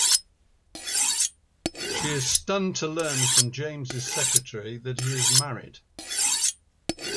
She is stunned to learn from James' secretary that he is married.